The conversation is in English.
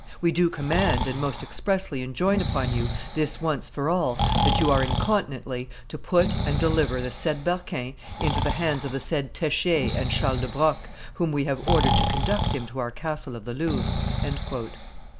We do command and most expressly enjoin upon you, this once for all, that you are incontinently to put and deliver the said Berquin into the hands of the said Texier and Charles do Broc, whom we have ordered to conduct him to our castle of the Louvre."